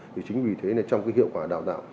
thì chính vì thế là trong cái hiệu quả đào tạo